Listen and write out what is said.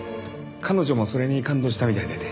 彼女もそれに感動したみたいでね。